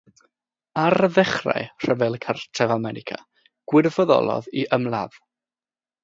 Ar ddechrau Rhyfel Cartref America gwirfoddolodd i ymladd.